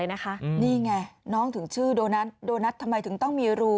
นี่ไงน้องถึงชื่อโดนัทโดนัททำไมถึงต้องมีรู